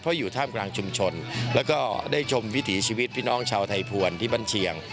เพราะอยู่ท่ามกลางชุมชนแล้วก็ได้ชมวิถีชีวิตพี่น้องชาวไทยภวรที่บ้านเชียง